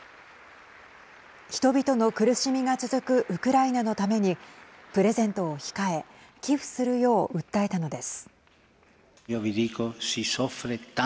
人々の苦しみが続くウクライナのためにプレゼントを控え寄付するよう訴えたのです。